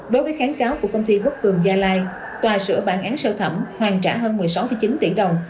đối với kháng cáo của công ty quốc cường gia lai tòa sửa bản án sơ thẩm hoàn trả hơn một mươi sáu chín tỷ đồng